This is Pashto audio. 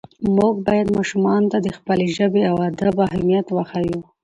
موږ باید ماشومانو ته د خپلې ژبې او ادب اهمیت وښیو